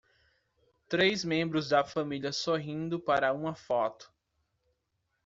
Três membros da família sorrindo para uma foto.